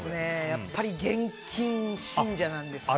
やっぱり現金信者なんですよ。